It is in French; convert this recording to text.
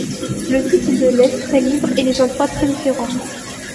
Le site de l' est très libre et les endroits très différents.